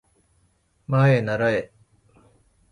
まえならえ